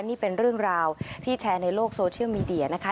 นี่เป็นเรื่องราวที่แชร์ในโลกโซเชียลมีเดียนะคะ